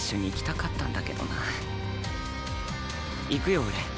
行くよ俺。